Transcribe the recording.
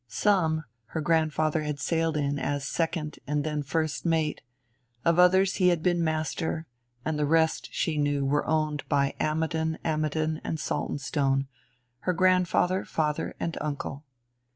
Some her grandfather had sailed in as second and then first mate, of others he had been master, and the rest, she knew, were owned by Ammidon, Ammidon and Saltonstone, her grandfather, father and uncle.